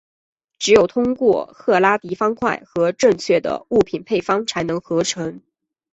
只有通过赫拉迪方块和正确的物品配方才能合成。